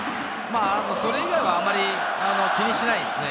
それ以外はあんまり気にしないですね。